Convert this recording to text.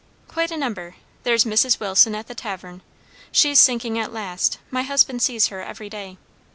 "Quite a number. There's Mrs. Wilson at the tavern; she's sinking at last; my husband sees her every day.